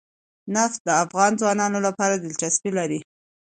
نفت د افغان ځوانانو لپاره دلچسپي لري.